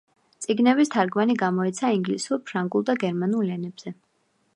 წიგნების თარგმანი გამოიცა ინგლისურ, ფრანგულ და გერმანულ ენებზე.